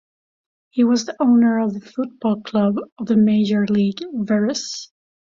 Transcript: He was the owner of the football club of the major league "Veres".